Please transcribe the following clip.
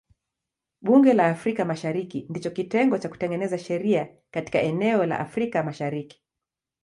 Bunge la Afrika Mashariki ndicho kitengo cha kutengeneza sheria katika eneo la Afrika Mashariki.